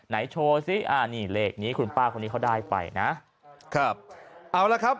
โชว์ซิอ่านี่เลขนี้คุณป้าคนนี้เขาได้ไปนะครับเอาละครับ